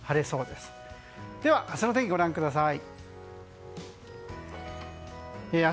では明日の天気ご覧ください。